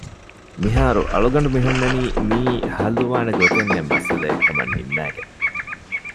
މިހާރު އަޅުގަނޑު މިހުންނަނީ މިޢީ ޙައްލުވާނެ ގޮތެއްނެތް މައްސަލައެއްކަމަށް ނިންމައިގެން